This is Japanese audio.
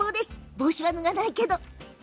帽子は脱がないけど！